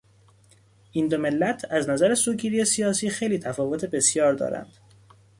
این دو ملت از نظر سوگیری سیاسی خیلی تفاوت بسیار دارند.